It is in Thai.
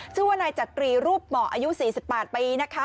ชื่อว่านายจักรีรูปเหมาะอายุ๔๘ปีนะคะ